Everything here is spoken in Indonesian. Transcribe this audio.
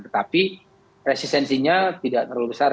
tetapi resistensinya tidak terlalu besar